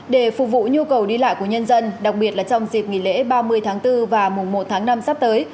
để phục vụ nhu cầu đi lại của nhân dân đặc biệt là trong dịp nghỉ lễ ba mươi tháng bốn và mùa một tháng năm sắp tới